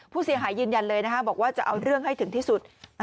ผู้เสียหายยืนยันเลยนะคะบอกว่าจะเอาเรื่องให้ถึงที่สุด